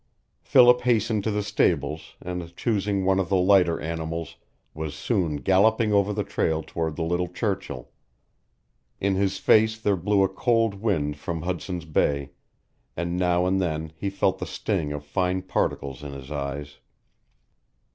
Philip hastened to the stables, and, choosing one of the lighter animals, was soon galloping over the trail toward the Little Churchill. In his face there blew a cold wind from Hudson's Bay, and now and then he felt the sting of fine particles in his eyes.